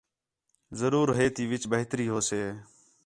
ضرور ہے تی وِچ بہتری ہوسے